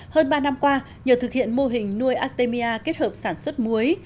hơn ba năm qua nhờ thực hiện mô hình nuôi artemia kết hợp sản xuất muối